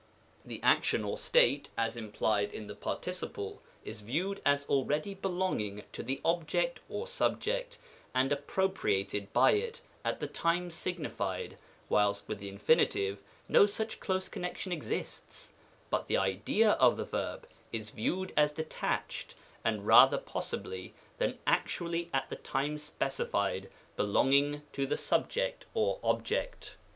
The action or state, as implied in the participle, is viewed as already belonging to the object or subject, and appropriated by it at the time signified ; whilst with the Infin. no such close connection exists, but the idea of the verb is viewed as detached, and rather possibly, than actually at the time specified, belonging to the subject or object.